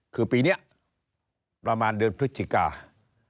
คือปีนี้ประมาณเดือนพฤศจิกา